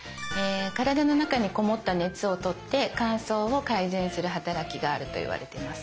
体の中にこもった熱を取って乾燥を改善する働きがあるといわれています。